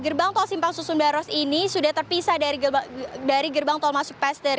gerbang tol simpang susun baros ini sudah terpisah dari gerbang tol masuk paster